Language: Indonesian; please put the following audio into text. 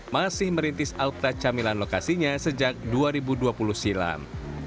masih merintis alkta camilan lokasinya sejak dua ribu dua puluh silam